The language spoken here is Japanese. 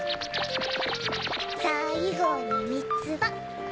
さいごにみつば。